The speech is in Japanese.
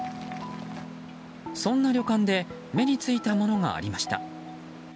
そんな旅館で目についたものがありました。